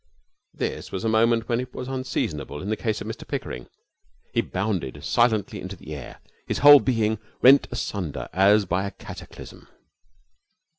This was a moment when it was unseasonable in the case of Mr Pickering. He bounded silently into the air, his whole being rent asunder as by a cataclysm.